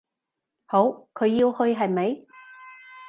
好，佢要去，係咪？